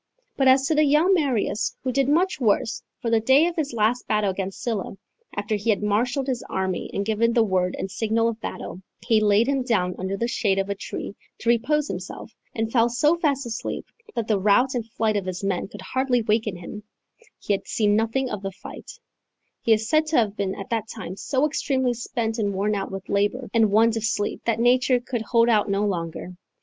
But as to the young Marius, who did much worse (for the day of his last battle against Sylla, after he had marshalled his army and given the word and signal of battle, he laid him down under the shade of a tree to repose himself, and fell so fast asleep that the rout and flight of his men could hardly waken him, he having seen nothing of the fight), he is said to have been at that time so extremely spent and worn out with labour and want of sleep, that nature could hold out no longer.